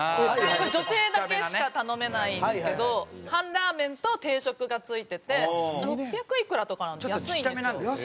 これ女性だけしか頼めないんですけど半ラーメンと定食が付いてて六百いくらとかなんで安いんですよ。